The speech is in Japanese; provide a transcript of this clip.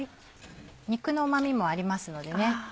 肉のうま味もありますのでね。